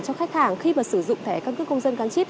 cho khách hàng khi mà sử dụng thẻ căn cước công dân gắn chip